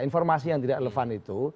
informasi yang tidak relevan itu